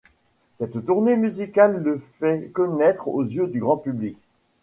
Cette tournée musicale le fait connaître aux yeux du grand public.